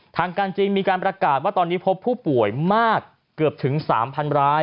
ทางการจีนมีการประกาศว่าตอนนี้พบผู้ป่วยมากเกือบถึง๓๐๐ราย